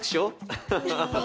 アハハハハッ。